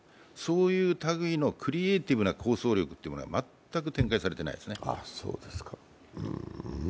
そういうたぐいのクリエイティブな構想力が全く展開されてないですね。